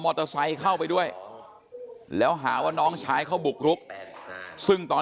เตอร์ไซค์เข้าไปด้วยแล้วหาว่าน้องชายเขาบุกรุกซึ่งตอน